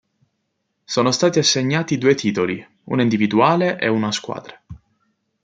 Sono stati assegnati due titoli, uno individuale e uno a squadre.